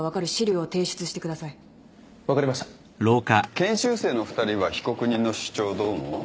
研修生の２人は被告人の主張どう思う？